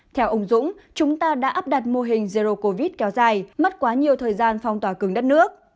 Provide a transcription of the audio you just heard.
theo ông dũng chúng ta đã áp đặt mô hình zero covid kéo dài mất quá nhiều thời gian phong tỏa cứng đất nước